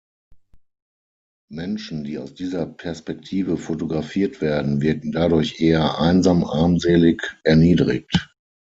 Menschen, die aus dieser Perspektive fotografiert werden, wirken dadurch eher einsam, armselig, erniedrigt.